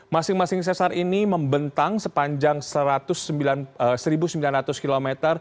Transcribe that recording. masing masing sesar ini membentang sepanjang satu sembilan ratus km